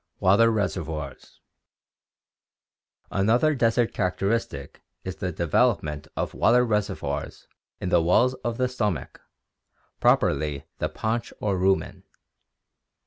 Water Reservoirs. — Another desert characteristic is the de velopment ol water reservoirs in the walls of the stomach (properly the paunch or rumen).